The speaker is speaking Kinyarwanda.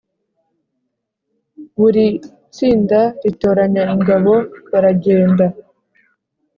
Buri tsinda ritoranya ingabo, baragenda.